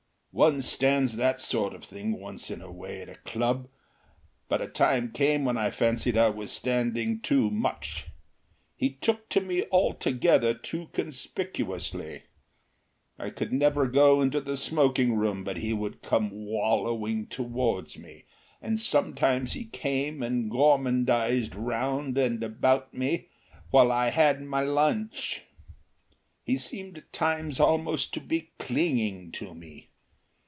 One stands that sort of thing once in a way at a club, but a time came when I fancied I was standing too much. He took to me altogether too conspicuously. I could never go into the smoking room but he would come wallowing towards me, and sometimes he came and gormandised round and about me while I had my lunch. He seemed at times almost to be clinging to me.